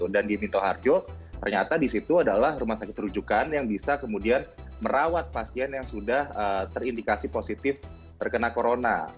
dan di minto harjo ternyata di situ adalah rumah sakit rujukan yang bisa kemudian merawat pasien yang sudah terindikasi positif terkena corona